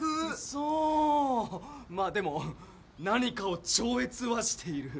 まあでも何かを超越はしている。